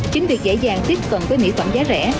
chính việc dễ dàng tiếp cận với mỹ phẩm giá rẻ